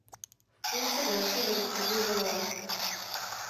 V půlce délky vede přes jezero lávka.